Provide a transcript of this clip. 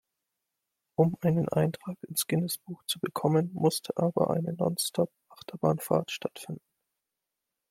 Um einen Eintrag ins Guinnessbuch zu bekommen, musste aber eine Nonstop-Achterbahnfahrt stattfinden.